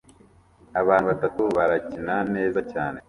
Abantu batatu barakina neza cyane